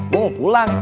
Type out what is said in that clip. gua mau pulang